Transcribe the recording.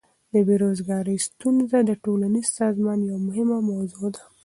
د بیروزګاری ستونزه د ټولنیز سازمان یوه مهمه موضوع ده.